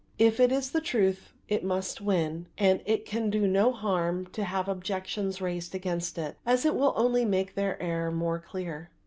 If it is the truth it must win; and it can do it no harm to have objections raised against it, as it will only make their error more clear."